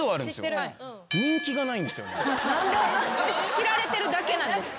知られてるだけなんです。